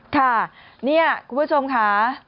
ค่ะนี่คุณผู้ชมค่ะ